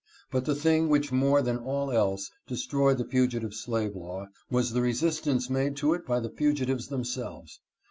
But the thing which more than all else destroyed the fugitive slave law was the resistance made to it by the fugitives themselves.